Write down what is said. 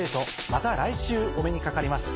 また来週お目にかかります。